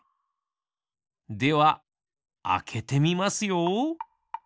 ではあけてみますよ。